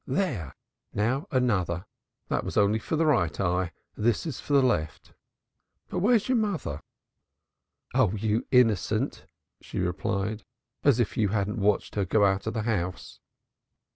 There! Now, another that was only for the right eye, this is for the left. But where's your mother?" "Oh, you innocent!" she replied. "As if you hadn't watched her go out of the house!"